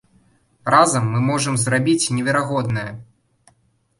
Разам мы можам зрабіць неверагоднае!